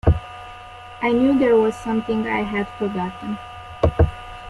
I knew there was something I had forgotten.